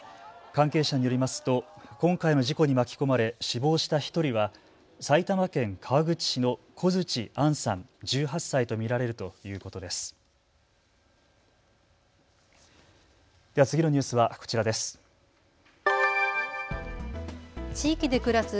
関係者によりますと今回の事故に巻き込まれ死亡した１人は埼玉県川口市の小槌杏さん１８歳と見られるということです。